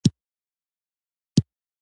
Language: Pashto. زړه د وینې پمپ کولو وظیفه لري.